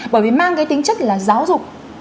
bởi vì mang cái tính chất là giáo dục